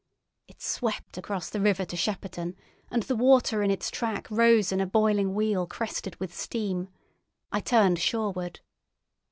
It swept across the river to Shepperton, and the water in its track rose in a boiling weal crested with steam. I turned shoreward.